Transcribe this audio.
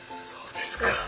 そうですか。